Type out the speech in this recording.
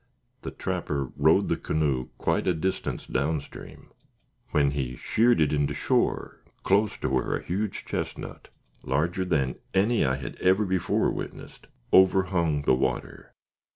The trapper rowed the canoe quite a distance down stream, when he sheered it into shore close to where a huge chestnut, larger than any I had ever before witnessed, overhung the water.